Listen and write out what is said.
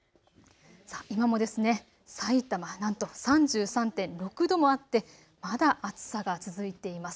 今もさいたまなんと３３．６度もあってまだ暑さが続いています。